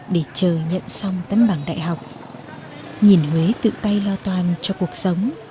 để chờ nhận xong tấn bằng đại học nhìn huế tự tay lo toan cho cuộc sống